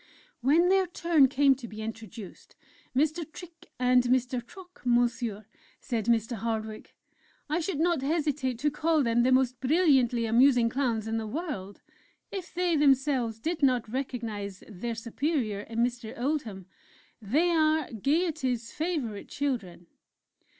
When their turn came to be introduced; "Mr. Trick and Mr. Trock, Monsieur" said Mr. Hardwick: "I should not hesitate to call them the most brilliantly amusing Clowns in the world, if they themselves did not recognize their superior in Mr. Oldham ... they are Gaiety's favorite children!"...